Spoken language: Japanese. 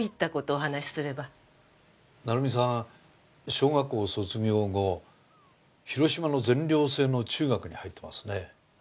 小学校を卒業後広島の全寮制の中学に入ってますね？